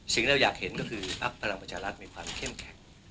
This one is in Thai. สิ่งที่เราอยากเห็นก็คือภาคพลังประชาลักษณ์มีความเข้มแข็ง